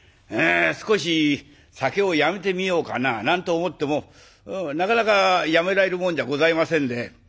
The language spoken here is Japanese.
少し酒をやめてみようかな」なんて思ってもなかなかやめられるもんじゃございませんで。